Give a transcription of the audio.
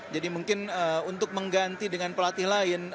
jadi mungkin untuk mengganti dengan pelatih lain